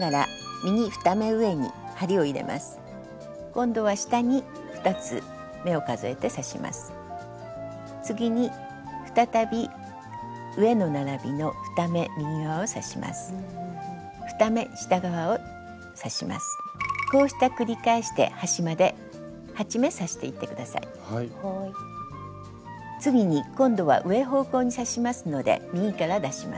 次に今度は上方向に刺しますので右から出します。